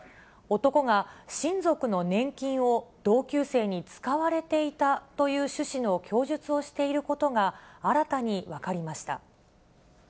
男が親族の年金を、同級生に使われていたという趣旨の供述をしていることが新たに分かりました。